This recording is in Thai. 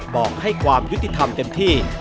บอกให้ความยุติธรรมเต็มที่